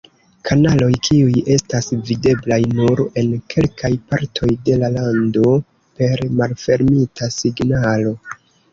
Kanaloj kiuj estas videblaj nur en kelkaj partoj de la lando per malfermita signalo.